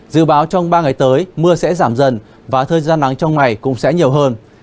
dự báo trong ba ngày tới mưa sẽ giảm dần và thời gian nắng trong ngày cũng sẽ nhiều hơn